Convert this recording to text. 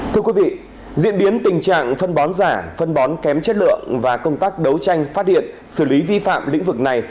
thưa quý vị diễn biến tình trạng phân bón giả phân bón kém chất lượng và công tác đấu tranh phát hiện xử lý vi phạm lĩnh vực này